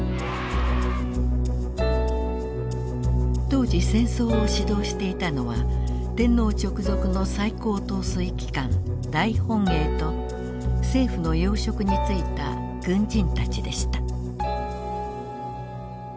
当時戦争を指導していたのは天皇直属の最高統帥機関大本営と政府の要職についた軍人たちでした。